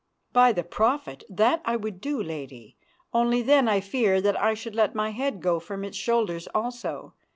"By the Prophet, that I would do, Lady, only then I fear me that I should let my head go from its shoulders also.